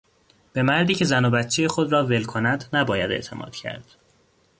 به مردی که زن و بچهی خود را ول کند نباید اعتماد کرد.